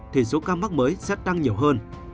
thì số ca mắc mới sẽ tăng nhiều hơn